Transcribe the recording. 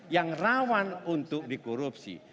yang rawan untuk dikorupsi